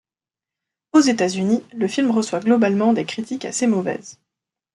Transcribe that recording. Aux États-Unis, le film reçoit globalement des critiques assez mauvaises.